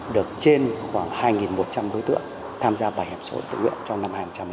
được trên khoảng hai một trăm linh đối tượng tham gia bảo hiểm xã hội tự nguyện trong năm hai nghìn một mươi chín